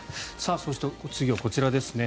そして、次はこちらですね。